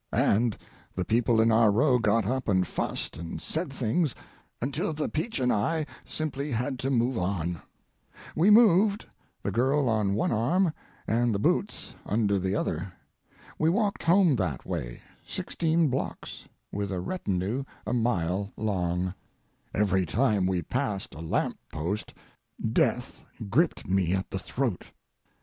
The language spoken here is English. And the people in our row got up and fussed and said things until the peach and I simply had to move on. We moved—the girl on one arm and the boots under the other. We walked home that way, sixteen blocks, with a retinue a mile long: Every time we passed a lamp post, death gripped me at the throat.